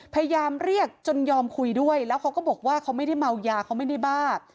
พยายามเรียกจนยอมคุยด้วยแล้วเขาก็บอกว่าเขาไม่ได้เมายาเขาไม่ได้บ้า